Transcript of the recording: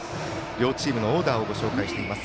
両チームのオーダーをご紹介しています。